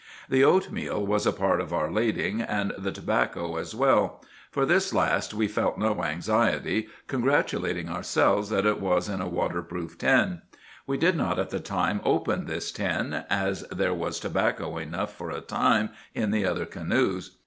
The oatmeal was a part of our lading, and the tobacco as well. For this last we felt no anxiety, congratulating ourselves that it was in a waterproof tin. We did not at the time open this tin, as there was tobacco enough for a time in the other canoes.